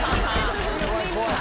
「怖い怖い。